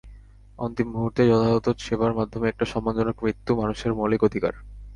অন্তিম মুহূর্তে যথাযথ সেবার মাধ্যমে একটা সম্মানজনক মৃত্যু মানুষের মৌলিক অধিকার।